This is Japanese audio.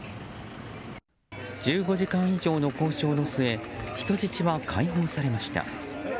１５時間以上の交渉の末人質は解放されました。